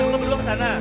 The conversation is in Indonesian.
lo berdua kesana